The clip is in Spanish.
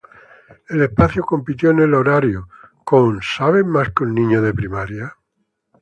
El espacio compitió en el horario con ¿Sabes más que un niño de primaria?